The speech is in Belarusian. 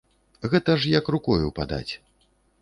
Гэта ж як рукою падаць.